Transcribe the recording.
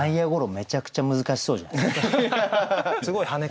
めちゃくちゃ難しそうじゃないですか？